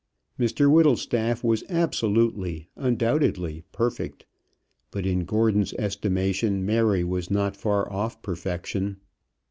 Mr Whittlestaff was absolutely, undoubtedly perfect; but in Gordon's estimation Mary was not far off perfection.